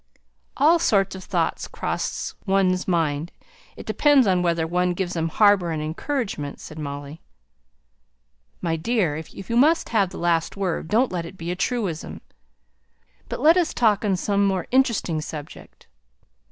"All sorts of thoughts cross one's mind it depends upon whether one gives them harbour and encouragement," said Molly. "My dear, if you must have the last word, don't let it be a truism. But let us talk on some more interesting subject.